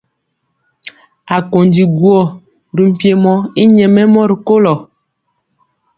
Akondi guɔ ri mpiemɔ y nyɛmemɔ rikolo.